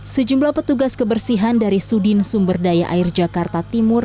sejumlah petugas kebersihan dari sudin sumberdaya air jakarta timur